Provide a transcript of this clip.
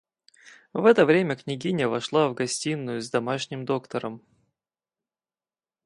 В это время княгиня вошла в гостиную с домашним доктором.